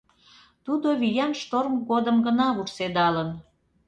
Тудо виян шторм годым гына вурседалын.